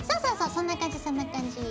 そんな感じそんな感じ。